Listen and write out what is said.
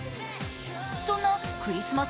そんなクリスマス